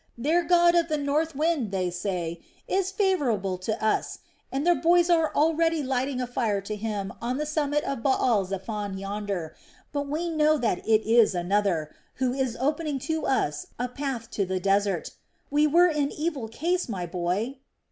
Their god of the north wind, they say, is favorable to us, and their boys are already lighting a fire to him on the summit of Baal zephon yonder, but we know that it is Another, Who is opening to us a path to the desert. We were in evil case, my boy!"